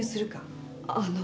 あの。